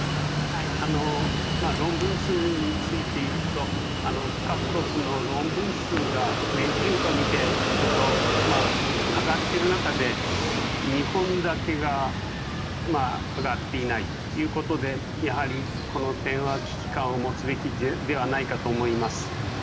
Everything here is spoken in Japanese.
論文数についていうと各国の論文数が年次変化を見ていると上がっている中で、日本だけが上がっていないということでやはりこの点は危機感を持つべきではないかと思います。